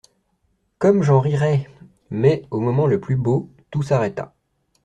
Comme j'en rirais !» Mais, au moment le plus beau, tout s'arrêta.